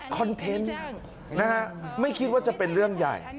เทนต์นะฮะไม่คิดว่าจะเป็นเรื่องใหญ่